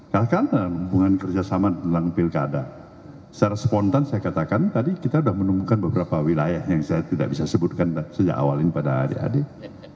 katakan hubungan kerjasama dalam pilkada secara spontan saya katakan tadi kita sudah menemukan beberapa wilayah yang saya tidak bisa sebutkan sejak awal ini pada adik adik